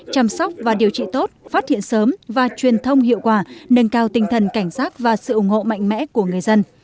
chăm sóc và điều trị tốt phát hiện sớm và truyền thông hiệu quả nâng cao tinh thần cảnh giác và sự ủng hộ mạnh mẽ của người dân